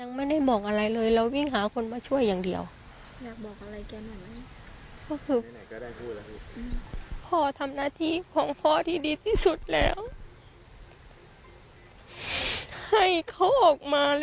ขอให้เขาออกมาและยังให้ชีวิตเขาด้วย